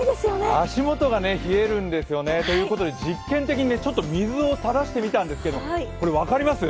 足元が冷えるんですよね。ということで実験的に水をたらしてみたんですけど、分かります？